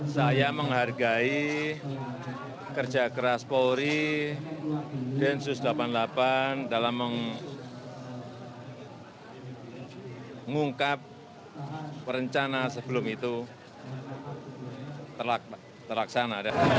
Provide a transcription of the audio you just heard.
saya menghargai kerja keras polri densus delapan puluh delapan dalam mengungkap perencanaan sebelum itu terlaksana